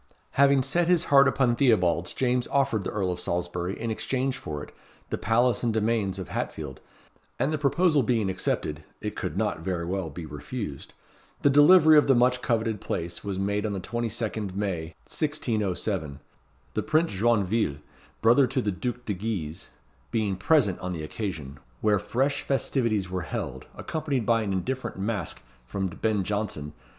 Having set his heart upon Theobalds, James offered the Earl of Salisbury, in exchange for it, the palace and domains of Hatfield; and the proposal being accepted (it could not very well be refused), the delivery of the much coveted place was made on the 22nd May, 1607; the Prince Joinville, brother to the Duke de Guise, being present on the occasion, where fresh festivities were held, accompanied by an indifferent Masque from Ben Jonson.